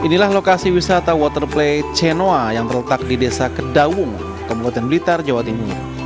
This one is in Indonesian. inilah lokasi wisata waterplay cenoa yang terletak di desa kedawung kabupaten blitar jawa timur